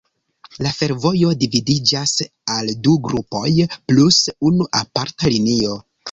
La fervojo dividiĝas al du grupoj plus unu aparta linio.